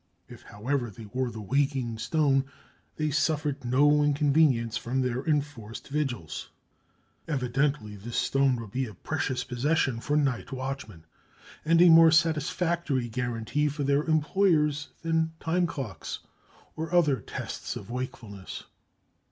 If, however, they wore the "waking stone," they suffered no inconvenience from their enforced vigils. Evidently this stone would be a precious possession for night watchmen, and a more satisfactory guarantee for their employers than "timeclocks" or other tests of wakefulness.